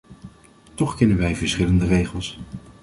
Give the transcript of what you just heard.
Toch kennen wij verschillende regels.